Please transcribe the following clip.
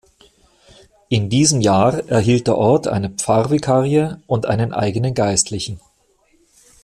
In diesem Jahr erhielt der Ort eine Pfarrvikarie und einen eigenen Geistlichen.